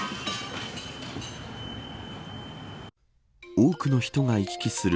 多くの人が行き来する